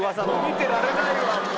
見てられないわもう。